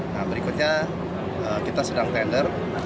nah berikutnya kita sedang tender